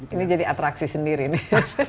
ini jadi atraksi sendiri nih